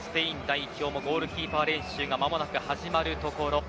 スペイン代表もゴールキーパー練習が間もなく始まるところ。